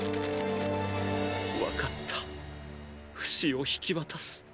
わかったフシを引き渡す。